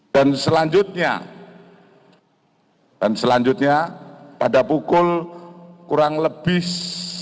dan selanjutnya pada pukul kurang lebih dua puluh satu lima belas